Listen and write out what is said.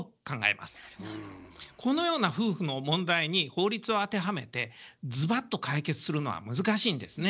このような夫婦の問題に法律を当てはめてずばっと解決するのは難しいんですね。